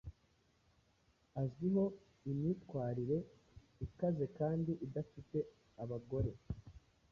Azwiho imyitwarire ikaze kandi idafite abagore